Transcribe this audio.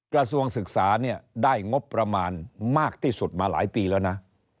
กระทรวงศึกษาเนี่ยได้งบประมาณมากที่สุดมาหลายปีแล้วนะ